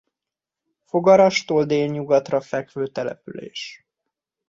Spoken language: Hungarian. Fogarastól délnyugatra fekvő település.